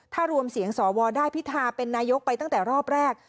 ถ้ารวมเสียงสวได้พิธาเป็นนายกไปตั้งแต่รอบแรก